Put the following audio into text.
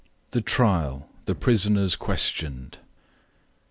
THE TRIAL THE PRISONERS QUESTIONED.